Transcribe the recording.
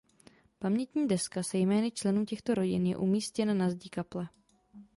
Pamětní deska se jmény členů těchto rodin je umístěna na zdi kaple.